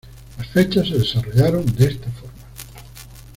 Las fechas se desarrollaron de esta forma.